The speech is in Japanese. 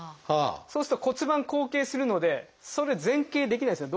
そうすると骨盤後傾するのでそれ前傾できないですよね。